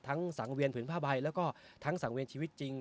ทั้งสั่งเวียนผลุทธิภาพใบแล้วก็ทั้งสั่งเวียนชีวิตจริง